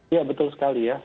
ya betul sekali ya